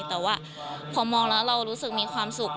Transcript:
แต่ว่าพอมองแล้วเรารู้สึกมีความสุข